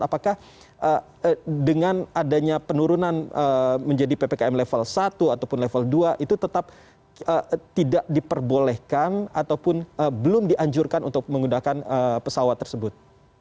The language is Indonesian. apakah dengan adanya penurunan menjadi ppkm level satu ataupun level dua itu tetap tidak diperbolehkan ataupun belum dianjurkan untuk menggunakan pesawat tersebut